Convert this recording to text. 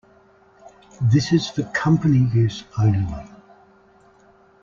This is for company use only.